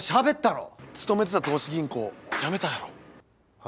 勤めてた投資銀行辞めたんやろ？は？